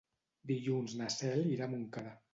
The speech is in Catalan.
Dilluns na Cel irà a Montcada.